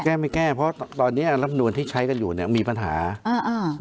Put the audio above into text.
แก้ไม่แก้เพราะตอนเนี้ยรับนวลที่ใช้กันอยู่เนี้ยมีปัญหาอ่าอ่า